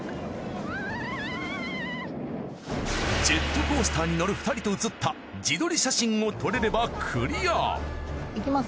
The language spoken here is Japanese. ジェットコースターに乗る２人と写った自撮り写真を撮れればクリア。